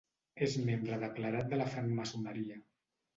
És membre declarat de la francmaçoneria.